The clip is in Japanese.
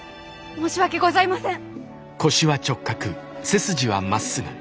申し訳ございません！